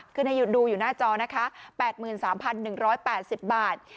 ให้ดูอยู่หน้าจอนะคะ๘๓๑๘๐บาท